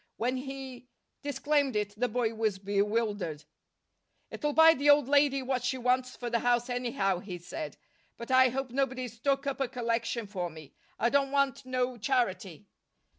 When he disclaimed it, the boy was bewildered. "It'll buy the old lady what she wants for the house, anyhow," he said. "But I hope nobody's took up a collection for me. I don't want no charity."